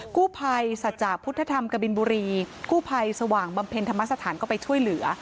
กู้ภัยสัจจากพุทธธรรมกบินบุรีกู้ภัยสว่างบำเพ็ญธรรมสถานก็ไปช่วยเหลือ